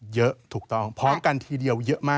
เยอะถูกต้องพร้อมกันทีเดียวเยอะมาก